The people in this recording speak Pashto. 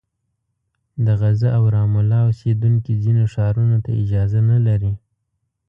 د غزه او رام الله اوسېدونکي ځینو ښارونو ته اجازه نه لري.